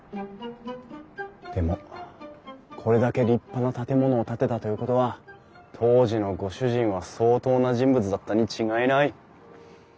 でもこれだけ立派な建物を建てたということは当時のご主人は相当な人物だったに違いない。